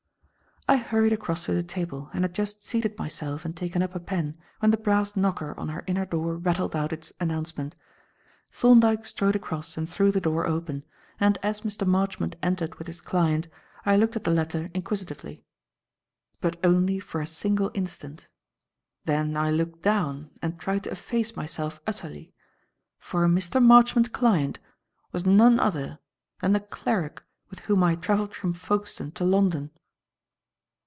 I hurried across to the table and had just seated myself and taken up a pen when the brass knocker on our inner door rattled out its announcement. Thorndyke strode across and threw the door open, and as Mr. Marchmont entered with his client I looked at the latter inquisitively. But only for a single instant. Then I looked down and tried to efface myself utterly, for Mr. Marchmont's client was none other than the cleric with whom I had travelled from Folkestone to London.